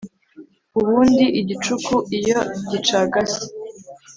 Ubundi igicuku iyo gicagase